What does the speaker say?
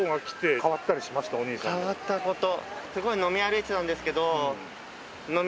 変わったこと。